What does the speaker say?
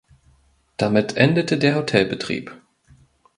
Damit endete der Hotelbetrieb.